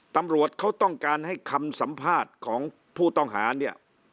ตำรวจเขาต้องการให้คำสัมภาษณ์ของผู้ต้องหาเนี่ย